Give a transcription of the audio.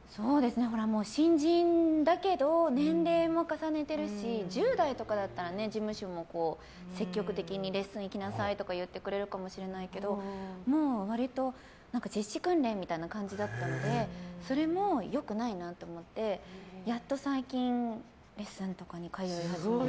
新人だけど年齢も重ねてるし１０代とかだったら事務所も積極的にレッスン行きなさいとか言ってくれるかもしれないけどもう割と実施訓練みたいな感じだったのでそれも良くないなと思ってやっと最近レッスンとかに通い始めて。